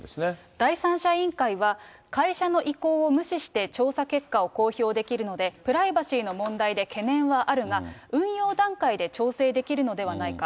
第三者委員会は、会社の意向を無視して調査結果を公表できるので、プライバシーの問題で懸念はあるが、運用段階で調整できるのではないか。